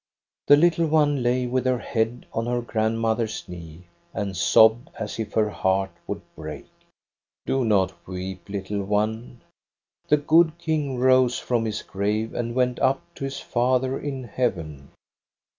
'" The little one lay with her head on her grand mother's knee, and sobbed as if her heart would break. "'Do not weep, little one; the good King rose from his grave and went up to his Father in heaven.